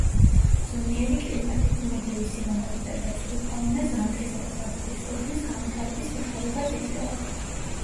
ზომიერი კლიმატი, ბუნებრივი სილამაზე და დაცული ფაუნა ზამთრისა და ზაფხულის ტურიზმის განვითარების საშუალებას იძლევა.